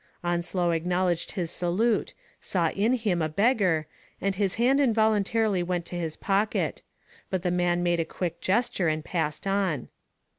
Onslow acknowledged his salute, saw in him a beggar, and his hand involuntarily went to his pocket ; but the man made a quick gesture, and passed on.